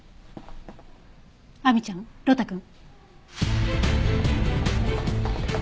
亜美ちゃん呂太くん。